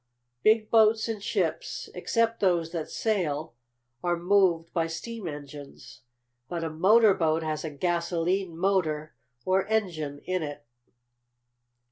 "Big boats and ships, except those that sail, are moved by steam engines. But a motor boat has a gasolene motor, or engine, in it."